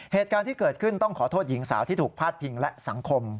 เหตุการณ์ที่เกิดขึ้นต้องขอโทษหญิงสาวที่ถูกพาดพิงและสังคม